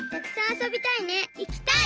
いきたい！